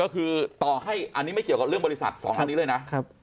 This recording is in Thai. ก็คือต่อให้อันนี้ไม่เกี่ยวกับเรื่องบริษัท๒อันนี้เลยนะ